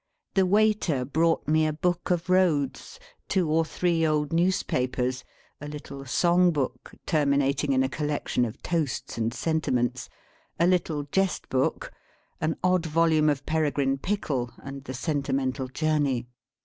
The waiter brought me a Book of Roads, two or three old Newspapers, a little Song Book, terminating in a collection of Toasts and Sentiments, a little Jest Book, an odd volume of Peregrine Pickle, and the Sentimental Journey.